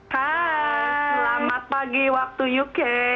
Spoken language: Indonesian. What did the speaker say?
hai selamat pagi waktu uk